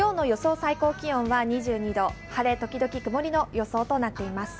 最高気温は２２度、晴れ時々曇りの予想となっています。